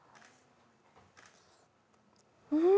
うん！